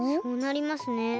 そうなりますね。